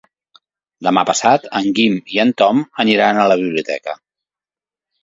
Demà passat en Guim i en Tom iran a la biblioteca.